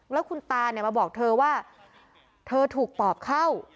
แล้วคุณตาเนี่ยมาบอกเธอว่าเธอถูกปอบเข้า